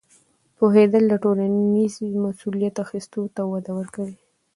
پوهېدل د ټولنیزې مسؤلیت اخیستلو ته وده ورکوي.